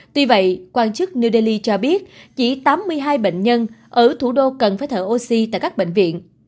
tuy vậy quan chức new delhi cho biết chỉ tám mươi hai bệnh nhân ở thủ đô cần phải thở oxy tại các bệnh viện